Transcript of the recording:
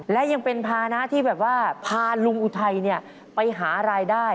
และยังเป็นภานะที่แบบว่าพาลุงอุทัยไปหารายได้